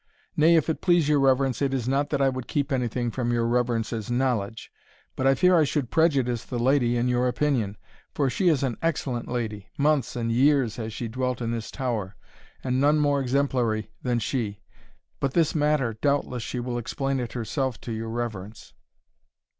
"Nay, if it please your reverence, it is not that I would keep anything from your reverence's knowledge, but I fear I should prejudice the lady in your opinion; for she is an excellent lady months and years has she dwelt in this tower, and none more exemplary than she; but this matter, doubtless, she will explain it herself to your reverence."